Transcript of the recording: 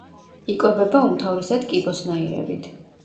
იკვებება უმთავრესად კიბოსნაირებით.